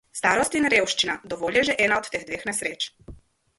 Starost in revščina - dovolj je že ena od teh dveh nesreč.